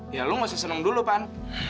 ya lu gak usah seneng dulu pan